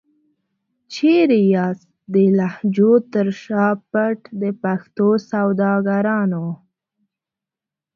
چيري یاست د لهجو تر شا پټ د پښتو سوداګرانو؟